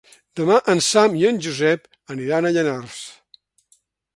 Demà en Sam i en Josep aniran a Llanars.